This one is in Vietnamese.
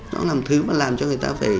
nó làm thứ mà làm cho người ta phải